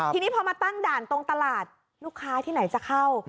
ทีนี้พอมาตั้งด่านตรงตลาดลูกค้าที่ไหนจะเข้า